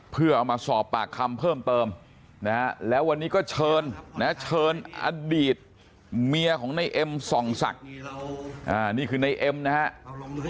เพื่อเอามาสอบปากคำเพิ่มเติมนะฮะแล้ววันนี้ก็เชิญนะเชิญอดีตเมียของในเอ็มส่องศักดิ์นี่คือในเอ็มนะครับ